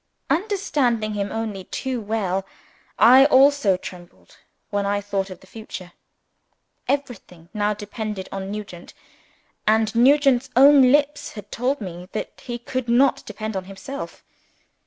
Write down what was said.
Understanding him only too well, I also trembled when I thought of the future. Everything now depended on Nugent. And Nugent's own lips had told me that he could not depend on himself!